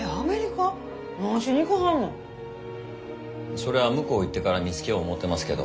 それは向こう行ってから見つけよう思うてますけど。